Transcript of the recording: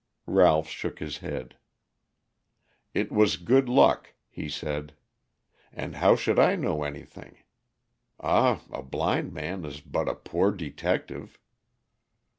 Ralph shook his head. "It was good luck," he said. "And how should I know anything? Ah, a blind man is but a poor detective."